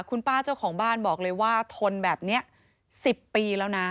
คุณป้าเจ้าของบ้านบอกเลยว่าทนแบบนี้๑๐ปีแล้วนะ